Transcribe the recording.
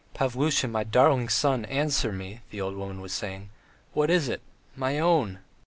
"Pavlusha, my darling son, answer me," the old woman was saying. "What is it? My own!"